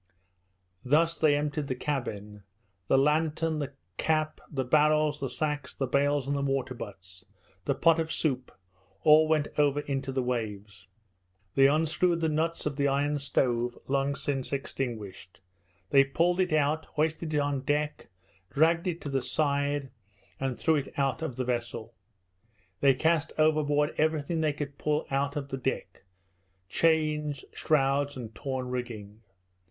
Thus they emptied the cabin. The lantern, the cap, the barrels, the sacks, the bales, and the water butts, the pot of soup, all went over into the waves. They unscrewed the nuts of the iron stove, long since extinguished: they pulled it out, hoisted it on deck, dragged it to the side, and threw it out of the vessel. They cast overboard everything they could pull out of the deck chains, shrouds, and torn rigging.